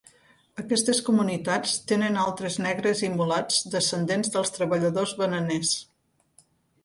Aquestes comunitats tenen altres negres i mulats descendents dels treballadors bananers.